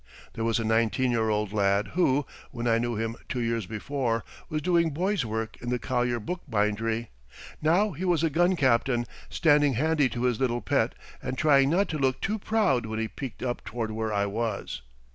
There was a nineteen year old lad who, when I knew him two years before, was doing boy's work in the Collier bookbindery. Now he was a gun captain standing handy to his little pet and trying not to look too proud when he peeked up toward where I was.